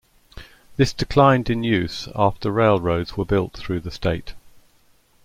This declined in use after railroads were built through the state.